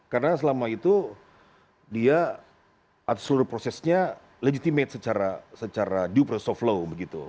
karena selama itu dia atur prosesnya legitimate secara due process of law